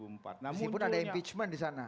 meskipun ada impeachment disana